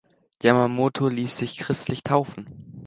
Yamamoto ließ sich christlich taufen.